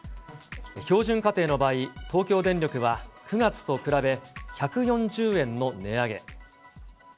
標準家庭の場合、東京電力は９月と比べ１４０円の値上げ。